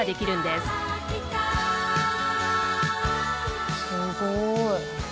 すごい。